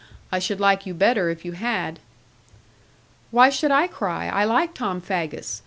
I should like you better if you had.' 'Why should I cry? I like Tom Faggus.